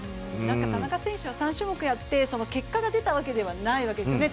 田中選手は３種目やって結果が出たわけではないわけですよね。